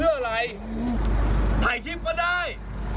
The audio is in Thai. เพื่ออะไรถ่ายคลิปก็ได้